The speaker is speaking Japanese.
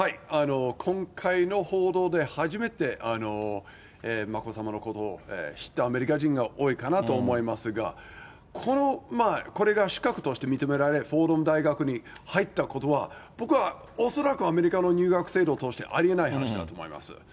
今回の報道で初めて眞子さまのことを知ったアメリカ人が多いかなと思いますが、これが資格として認められ、フォーダム大学に入ったことは、僕は恐らくアメリカの入学制度としてありえない話だと思います。